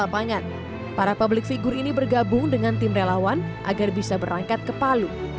lapangan para publik figur ini bergabung dengan tim relawan agar bisa berangkat ke palu